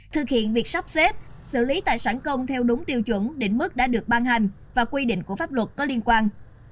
thực hiện việc sắp xếp xử lý tài sản công theo đúng tiêu chuẩn đỉnh mức đã được ban hành và quy định của pháp luật có liên quan